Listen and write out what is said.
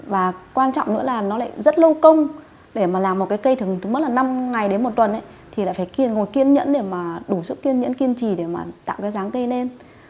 và quan trọng nữa là nó lại rất lâu công để mà làm một cái cây thường mất là năm ngày đến một tuần thì lại phải ngồi kiên nhẫn để mà đủ sức kiên nhẫn kiên trì để mà tạo cái ráng cây lên